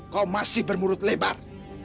kau masih bermurut lebar